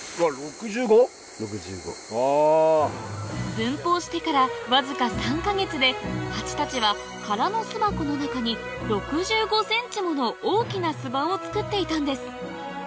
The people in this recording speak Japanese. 分蜂してからわずか３か月で蜂たちは空の巣箱の中に６５ｃｍもの大きな巣板を作っていたんです